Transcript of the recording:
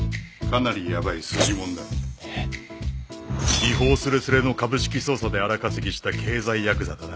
違法すれすれの株式操作で荒稼ぎした経済ヤクザだな。